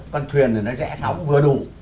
con thuyền này nó rẽ sóng vừa đủ